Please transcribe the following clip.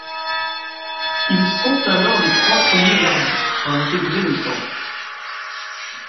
Ils sont alors les trois premiers arbitres à intégrer le Temple.